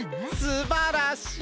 すばらしい！